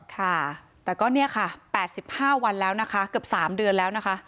ค่ะแต่ก็เนี่ยค่ะ๘๕วันแล้วนะคะเกือบ๓เดือนแล้วนะคะ